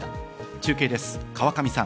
中継です、川上さん。